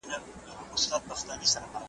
سندریز شعرونه هم ولیکل .